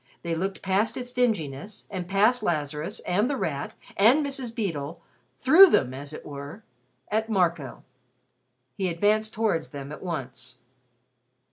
They looked past its dinginess, and past Lazarus, and The Rat, and Mrs. Beedle through them, as it were, at Marco. He advanced towards them at once.